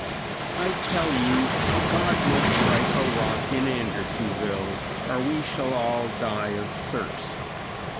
I tell you God must strike a rock in Andersonville or we shall all die of thirst.